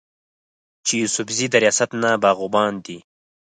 چې يوسفزي د رياست نه باغيان دي